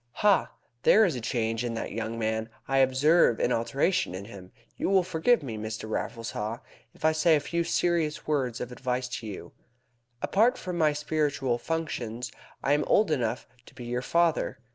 "Ha! There is a change in that young man. I observe an alteration in him. You will forgive me, Mr. Raffles Haw, if I say a few serious words of advice to you. Apart from my spiritual functions I am old enough to be your father.